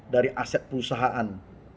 dari aset perusahaan